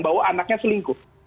bahwa anaknya selingkuh